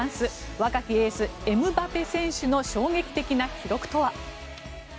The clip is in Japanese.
若きエース、エムバペ選手の衝撃的な記録とは。